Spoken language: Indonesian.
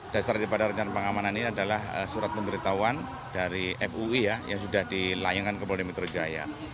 dasar daripada rencana pengamanan ini adalah surat pemberitahuan dari fui yang sudah dilayangkan ke polri mitra jaya